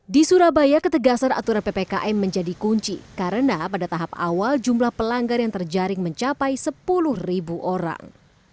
di surabaya ketegasan aturan ppkm menjadi kunci karena pada tahap awal jumlah pelanggar yang terjaring mencapai sepuluh ribu orang